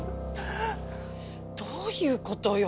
どういうことよ？